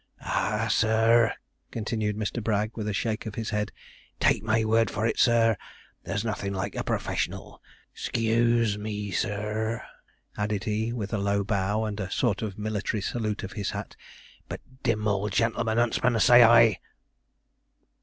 Ah, sir,' continued Mr. Bragg, with a shake of his head, 'take my word for it, sir, there's nothin' like a professional. S c e u s e me, sir,' added he, with a low bow and a sort of military salute of his hat; 'but dim all gen'l'men 'untsmen, say I.'